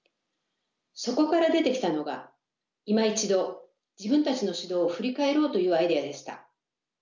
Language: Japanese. そこから出てきたのが今一度自分たちの指導を振り返ろうというアイデアでした。